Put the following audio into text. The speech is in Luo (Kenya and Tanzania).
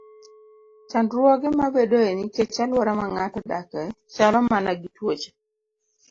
Chandruoge mabedoe nikech alwora ma ng'ato odakie chalo mana gi tuoche.